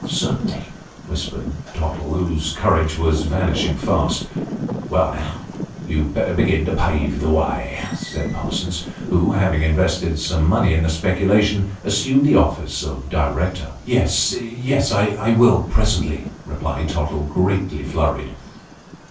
" Certainly," whispered Tottle, whose courage was vanishing fast. " Well, now, you'd better begin to pave the way," said Parsons, who, having invested some money in the speculation, assumed the office of director. " Yes, yes, I will presently," replied Tottle, greatly flurried.